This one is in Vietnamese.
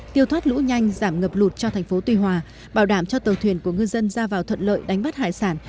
tiêu thoát lũ nhanh giảm ngập lụt cho thành phố tuy hòa bảo đảm cho tàu thuyền của ngư dân ra vào thuận lợi đánh bắt hải sản